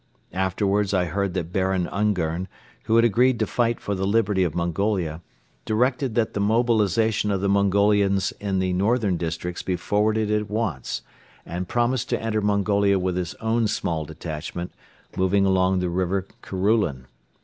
Afterwards I heard that Baron Ungern, who had agreed to fight for the liberty of Mongolia, directed that the mobilization of the Mongolians in the northern districts be forwarded at once and promised to enter Mongolia with his own small detachment, moving along the River Kerulen.